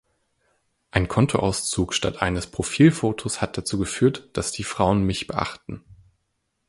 Ein Kontoauszug statt eines Profilfotos hat dazu geführt, dass die Frauen mich beachten.